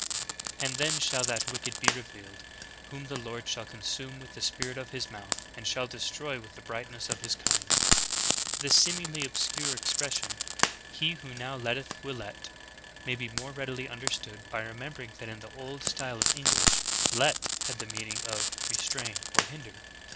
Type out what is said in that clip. And then shall that Wicked be revealed, whom the Lord shall consume with the spirit of His mouth, and shall destroy with the brightness of His coming."'^ 7. The seemingly obscure expression, "he who now let teth will let," may be more readily understood by remember ing that in the older style of English "let" had the meaning of "restrain" or "hinder."